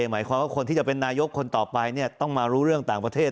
หมายความว่าคนที่จะเป็นนายกคนต่อไปต้องมารู้เรื่องต่างประเทศ